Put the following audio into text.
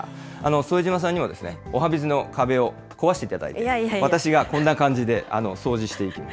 副島さんにもおはＢｉｚの壁を壊していただいて、私がこんな感じで、掃除していきます。